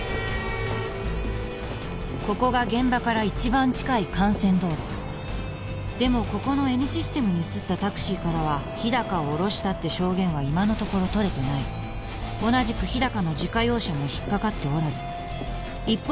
ここが現場から一番近い幹線道路でもここのＮシステムに写ったタクシーからは日高を降ろしたって証言は今のところ取れてない同じく日高の自家用車も引っかかっておらず一方